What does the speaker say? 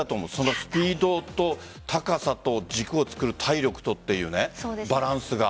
スピードと高さと軸を作る体力とというバランスが。